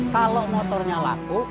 kalau motornya laku